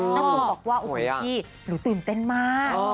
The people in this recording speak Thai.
จ้างหมูบอกว่าโอ้ยพี่หนูตื่นเต้นมาก